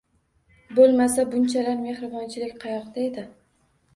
Bo‘lmasa bunchalar mehribonchilik qayoqda edi.